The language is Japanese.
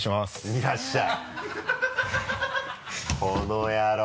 いらっしゃい。